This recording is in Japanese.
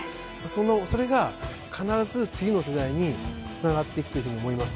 それが必ず次の世代につながっていくというふうに思います。